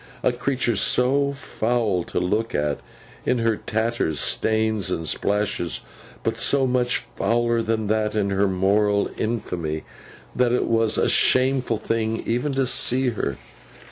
A creature so foul to look at, in her tatters, stains and splashes, but so much fouler than that in her moral infamy, that it was a shameful thing even to see her.